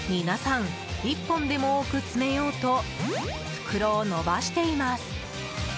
皆さん、１本でも多く詰めようと袋を伸ばしています。